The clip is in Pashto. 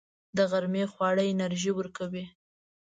د غرمې خواړه انرژي ورکوي